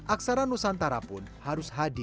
aksara nusantara pun harus hadir